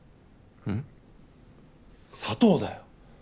砂糖だよ！